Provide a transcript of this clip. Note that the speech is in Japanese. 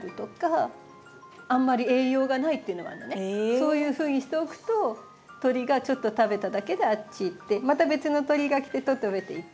そういうふうにしておくと鳥がちょっと食べただけであっち行ってまた別の鳥が来て食べていって。